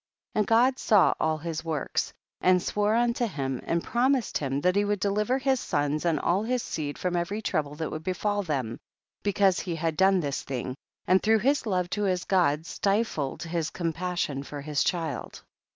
12. And God saw all his works, and swore unto him, and promised him that he would deliver his sons and all his seed from every trouble that would befall them, because he had done this thing, and through his love to his God stifled his compas sion for his child.